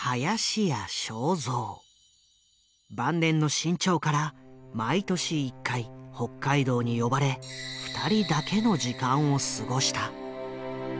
晩年の志ん朝から毎年１回北海道に呼ばれ２人だけの時間を過ごした。